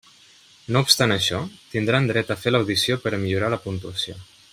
No obstant això, tindran dret a fer l'audició per a millorar la puntuació.